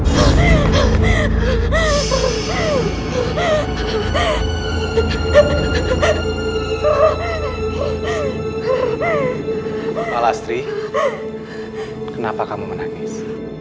pak lastri kenapa kamu menangis